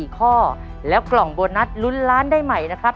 ๔ข้อแล้วกล่องโบนัสลุ้นล้านได้ใหม่นะครับ